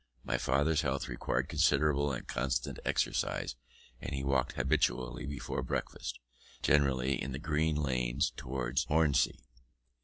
My father's health required considerable and constant exercise, and he walked habitually before breakfast, generally in the green lanes towards Hornsey.